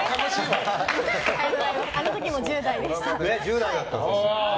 あの時も１０代でした。